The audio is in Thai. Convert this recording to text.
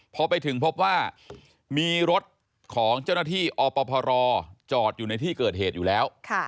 พอไปถึงพบว่ามีรถของเจ้าหน้าที่อพรจอดอยู่ในที่เกิดเหตุอยู่แล้ว